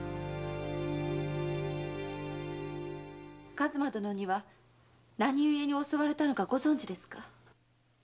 数馬殿には何故に襲われたのかご存じですか？